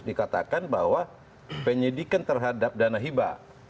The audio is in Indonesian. dikatakan bahwa penyidikan terhadap dana hibah